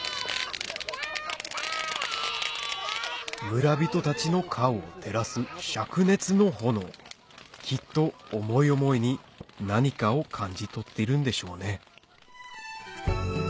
村人たちの顔を照らす灼熱の炎きっと思い思いに何かを感じ取っているんでしょうね